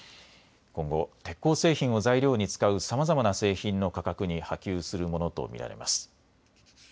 今後、鉄鋼製品を材料に使うさまざまな製品の価格に波及するものと見られます。